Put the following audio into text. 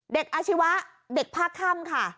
อาชีวะเด็กภาคค่ำค่ะ